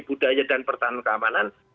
budaya dan pertahanan keamanan